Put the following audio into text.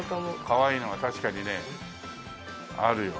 かわいいのが確かにねあるよ。